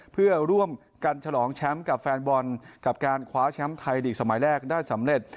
เพื่อร่วมกันฉลองแชมป์กับแฟนบอลกับการคว้าแชมป์ไทยลีกสมัยแรกได้สำเร็จ